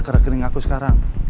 aku sudah ke rekening aku sekarang